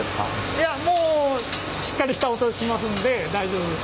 いやもうしっかりした音しますんで大丈夫です。